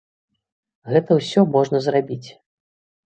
Гэта ўсё можна зрабіць.